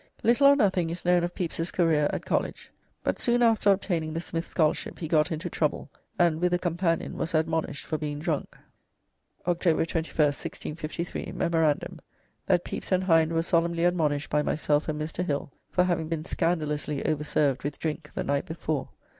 Little or nothing is known of Pepys's career at college, but soon after obtaining the Smith scholarship he got into trouble, and, with a companion, was admonished for being drunk. [October 21st, 1653. "Memorandum: that Peapys and Hind were solemnly admonished by myself and Mr. Hill, for having been scandalously over served with drink ye night before.